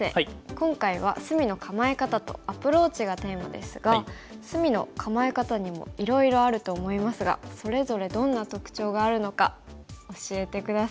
今回は隅の構え方とアプローチがテーマですが隅の構え方にもいろいろあると思いますがそれぞれどんな特徴があるのか教えて下さい。